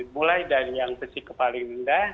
mulai dari yang berisiko paling rendah